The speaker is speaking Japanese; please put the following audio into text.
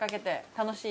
楽しい。